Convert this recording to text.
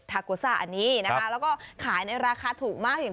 ถึง๔๐บาทเท่านั้นเอง